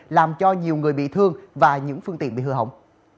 làm cho nhiều người bị thương và những phương tiện bị hư hỏng